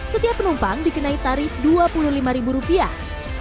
setiap penumpang dikenai tarif dua puluh lima ribu rupiah